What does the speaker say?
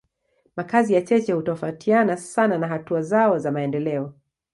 Makazi ya cheche hutofautiana sana na hatua zao za maendeleo.